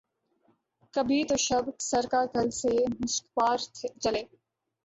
کبھی تو شب سر کاکل سے مشکبار چلے